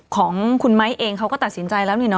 ของคุณไม้เองเขาก็ตัดสินใจแล้วนี่เน